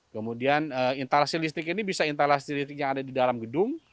kemudian instalasi listrik ini bisa instalasi listrik yang ada di dalam gedung